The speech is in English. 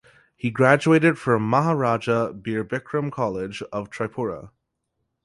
He graduated from Maharaja Bir Bikram College of Tripura.